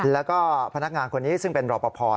แล้วก็พนักงานคนนี้ซึ่งเป็นรอปภ